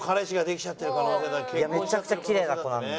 めちゃくちゃきれいな子なんで。